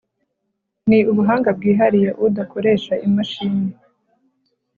ni ubuhanga bwihariye udakoresha imashini